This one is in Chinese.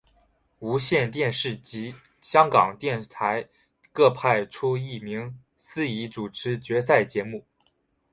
无线电视及香港电台各派出一名司仪主持决赛节目。